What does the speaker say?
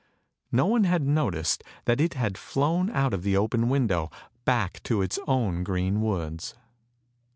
No one had noticed that it had flown out of the open window, back its to own green woods.